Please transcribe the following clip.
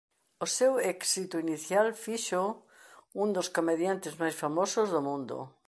O seu éxito inicial fíxoo un dos comediantes máis famosos do mundo.